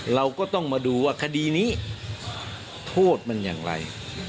เราก็ต้องมาดูว่าคดีนี้โทษมันอย่างไร